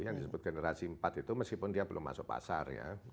yang disebut generasi empat itu meskipun dia belum masuk pasar ya